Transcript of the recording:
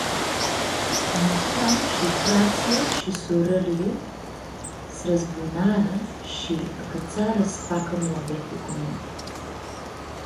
Niheam shi fratslji shi surãrlji s-rãzbunarã shi acãtsarã s-facã muabeti cu mini.